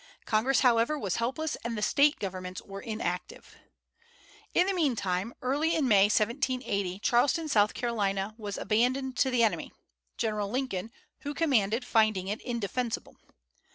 Congress, however, was helpless and the State governments were inactive. In the meantime, early in May, 1780, Charleston, S.C., was abandoned to the enemy, General Lincoln, who commanded, finding it indefensible.